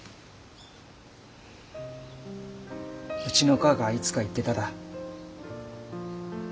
うちのおかあがいつか言ってただ。